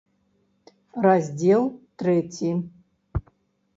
РАЗДЗЕЛ ТРЭЦІ.